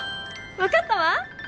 わかったわ！